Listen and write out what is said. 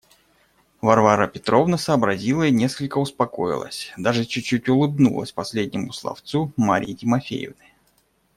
Варвара Петровна сообразила и несколько успокоилась; даже чуть-чуть улыбнулась последнему словцу Марьи Тимофеевны.